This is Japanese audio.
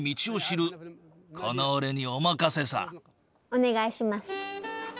お願いします。